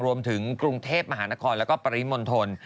รวมถึงกรุงเทพมหานครแล้วก็ปริมณฑล